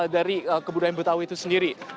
dari kebudayaan betawi itu sendiri